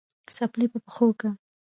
څپلۍ په پښو که